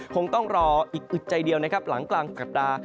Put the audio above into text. คงต้องรออีกอึดใจเดียวนะครับหลังกลางสัปดาห์